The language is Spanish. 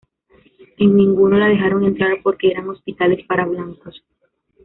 En ninguno la dejaron entrar porque eran "hospitales para blancos".